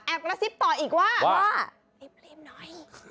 แอบกระซิบต่ออีกว่ารีบรีบหน่อย